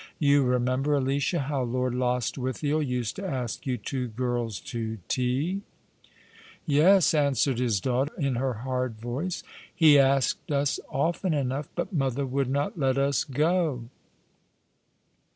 You remember, Alicia, how Lord Lostwithiel used to ask you two girls to tea ?"" Yes," answered his daughter, in her hard voice. '' He asked us often enough, but mother would not let us go."